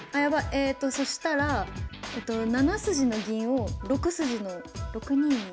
えとそしたら７筋の銀を６筋の６二に。